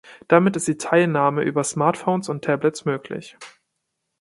Damit ist die Teilnahme über Smartphone und Tablets möglich.